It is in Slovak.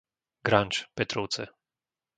Granč-Petrovce